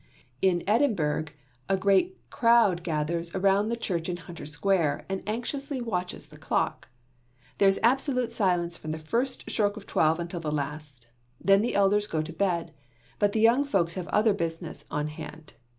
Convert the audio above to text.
In Edinburgh, a great crowd gathers around the church in Hunter Square and anxiously watches the clock. There is absolute silence from the first stroke of twelve until the last, then the elders go to bed, but the young folks have other business on hand.